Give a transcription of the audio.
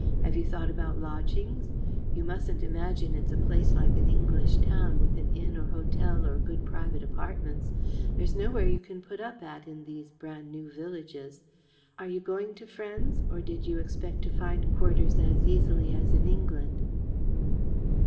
Have you thought about lodgings? You mustn't imagine it's a place like an English town, with an inn or hotel or good private apartments. There's nowhere you can put up at in these brand new villages. Are you going to friends, or did you expect to find quarters as easily as in England?"